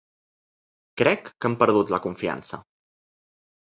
Crec que hem perdut la confiança.